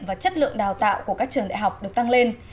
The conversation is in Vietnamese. và chất lượng đào tạo của các trường đại học được tăng lên